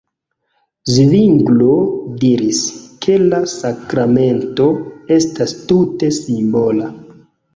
Zvinglo diris, ke la sakramento estas tute simbola.